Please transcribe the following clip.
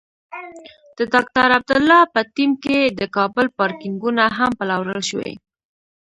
د ډاکټر عبدالله په ټیم کې د کابل پارکېنګونه هم پلورل شوي.